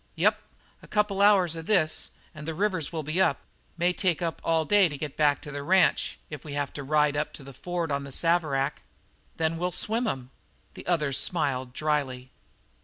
"Yep. A couple of hours of this and the rivers will be up may take up all day to get back to the ranch if we have to ride up to the ford on the Saverack." "Then we'll swim 'em." The other smiled drily.